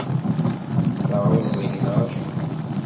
Tεeẓgeḍ neɣ acu?